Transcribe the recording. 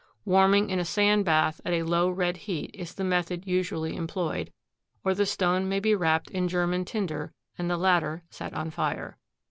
Warming in a sand bath at a low red heat is the method usually employed, or the stone may be wrapped in German tinder and the latter set on fire.